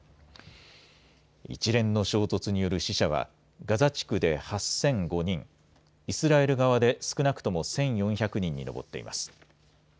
一連の衝突による死者はガザ地区で８００５人、イスラエル側で少なくとも１４００人に上っています。